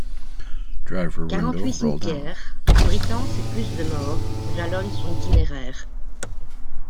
Quarante-huit cimetières, abritant ses plus de morts, jalonnent son itinéraire.